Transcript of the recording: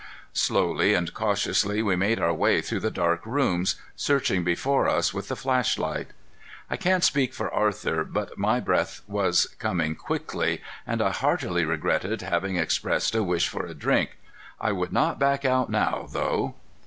Slowly and cautiously we made our way through the dark rooms, searching before us with the flash light. I can't speak for Arthur, but my breath was coming quickly, and I heartily regretted having expressed a wish for a drink. I would not back out now, though.